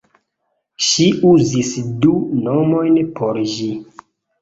Ŝi uzis du nomojn por ĝi.